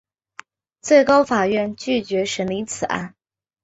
最高法院拒绝审理此案。